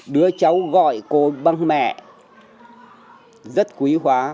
đứa cháu gọi cô bằng mẹ rất quý hóa